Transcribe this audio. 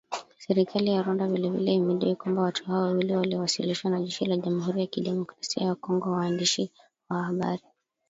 Serikali ya Rwanda vile vile imedai kwamba watu hao wawili waliowasilishwa na jeshi la Jamhuri ya Kidemokrasia ya Kongo kwa waandishi wa habari